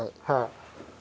はい。